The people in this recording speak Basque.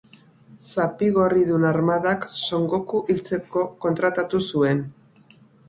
Zapi Gorridun Armadak Son Goku hiltzeko kontratatu zuen.